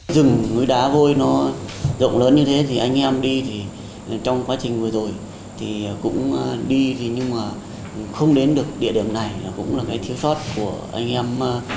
rừng núi đá vôi nó rộng lớn như thế thì anh em đi thì trong quá trình vừa rồi thì cũng đi thì nhưng mà không đến được địa điểm này là cũng là cái thiếu sót của anh em